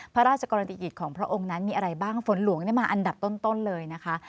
พระราชกรณียกิจของพระองค์นั้นมีอะไรบ้างฝนหลวงมาอันดับต้นเลยนะคะ